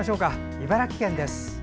茨城県です。